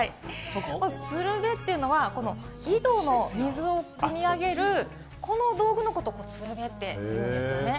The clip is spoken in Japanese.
「つるべ」というのは井戸の水をくみ上げる、この道具のことをつるべって言うんですよね。